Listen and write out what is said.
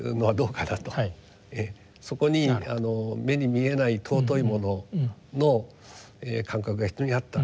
そこに目に見えない尊いものの感覚が非常にあった。